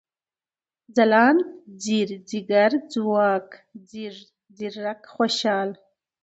ځلاند ، ځير ، ځيگر ، ځواک ، ځيږ ، ځيرک ، خوشال